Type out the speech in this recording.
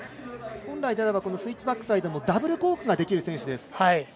本来であればスイッチバックサイドのダブルコークができる選手です。